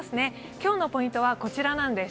今日のポイントはこちらなんです。